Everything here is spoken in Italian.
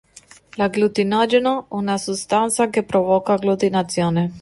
L'agglutinogeno, una sostanza che provoca agglutinazione.